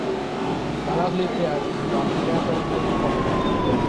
Danach lebte er als Privatgelehrter in Heilbronn.